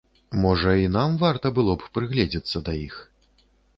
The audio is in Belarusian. Можа, і нам варта было б прыгледзіцца да іх?